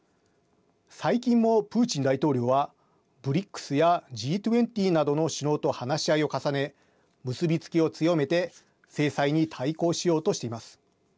最近もプーチン大統領はＢＲＩＣＳやＧ２０などの首脳と話し合いを重ね結び付きを強めて制裁に対抗しようとしています。